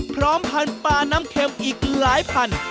พร้อมพันธุ์ปลาน้ำเข็มอีกหลายพัน